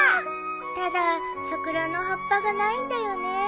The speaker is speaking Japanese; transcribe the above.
ただ桜の葉っぱがないんだよね。